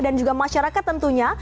dan juga masyarakat tentunya